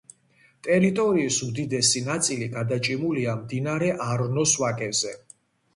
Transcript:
ტერიტორიის უდიდესი ნაწილი გადაჭიმულია მდინარე არნოს ვაკეზე.